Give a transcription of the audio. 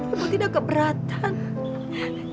ibu tidak keberatan